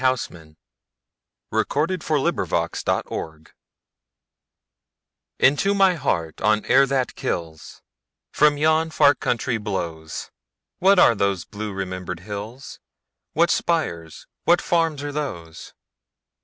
Into my heart on air that kills INTO my heart on air that killsFrom yon far country blows:What are those blue remembered hills, What spires, what farms are those?